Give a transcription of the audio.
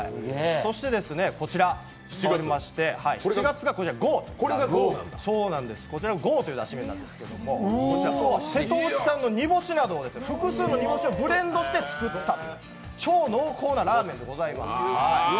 こちら７月が熬というだし麺なんですけど瀬戸内産の複数の煮干しをブレンドして作った超濃厚なラーメンでございます。